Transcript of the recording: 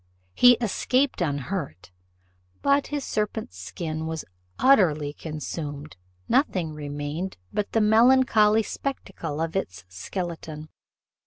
He escaped unhurt, but his serpent's skin was utterly consumed; nothing remained but the melancholy spectacle of its skeleton.